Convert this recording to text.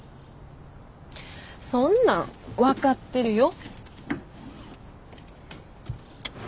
そんなん分かってるよ。